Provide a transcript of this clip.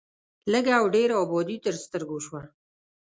لږ او ډېره ابادي تر سترګو شوه.